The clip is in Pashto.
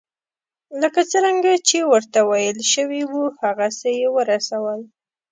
لکه څرنګه چې ورته ویل شوي وو هغسې یې ورسول.